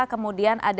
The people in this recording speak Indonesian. kemudian ada sidik